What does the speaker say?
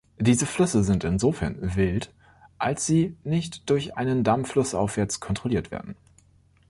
Diese Flüsse sind insofern „wild“, als sie nicht durch einen Damm flussaufwärts kontrolliert werden.